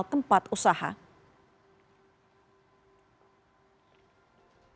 pertama kebijakan sosial tetap akan dilanjutkan